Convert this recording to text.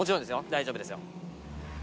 大丈夫ですよ。